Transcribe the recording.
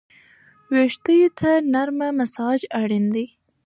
ویښتو ته نرمه مساج اړین دی.